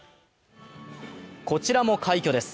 こちらも快挙です。